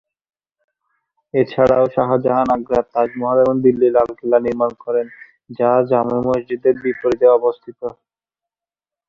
এছাড়াও শাহজাহান আগ্রার তাজমহল এবং দিল্লির লাল কেল্লা নির্মাণ করেন, যা জামে মসজিদের বিপরীতে অবস্থিত।